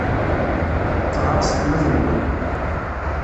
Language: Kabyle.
Tteɣraṣet ma tenwam.